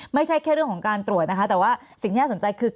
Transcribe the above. ไม่ใช่แค่เรื่องของการตรวจนะคะแต่ว่าสิ่งที่น่าสนใจคือ